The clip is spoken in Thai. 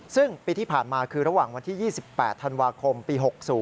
ซึ่งปีที่ผ่านมาคือระหว่างวันที่๒๘ธันวาคมปี๖๐